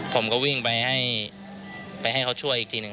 ผมก็วิ่งไปให้เขาช่วยอีกทีหนึ่ง